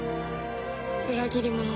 裏切り者。